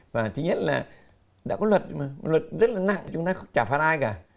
và thứ nhất là đã có luật mà luật rất là nặng chúng ta không trả phạt ai cả